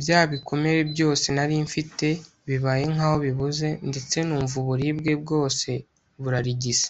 byabikomere byose narimfite bibaye nkaho bibuze ndetse numva uburibwe bwose burarigise